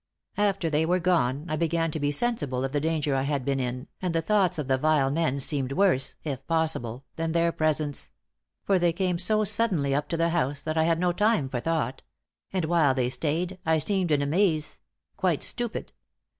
After they were gone, I began to be sensible of the danger I had been in, and the thoughts of the vile men seemed worse (if possible) than their presence; for they came so suddenly up to the house, that I had no time for thought; and while they stayed, I seemed in amaze quite stupid!